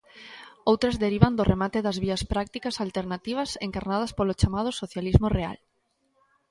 Outras derivan do remate das vías prácticas alternativas encarnadas polo chamado socialismo real.